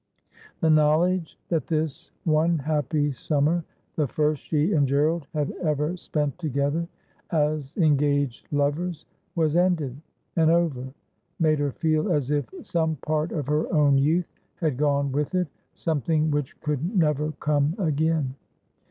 The knowledge that this one happy summer, the first she and Gerald had ever spent together as engaged lovers, was ended and over, made her feel as if some part of her own youth had gone with it — something which could never come again.